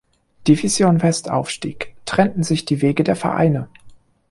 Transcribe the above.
Division West aufstieg, trennten sich die Wege der Vereine.